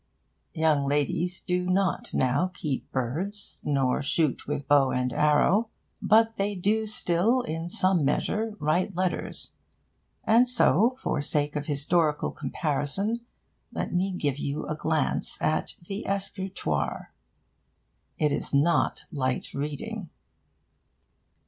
Young ladies do not now keep birds, nor shoot with bow and arrow; but they do still, in some measure, write letters; and so, for sake of historical comparison, let me give you a glance at 'The Escrutoire.' It is not light reading.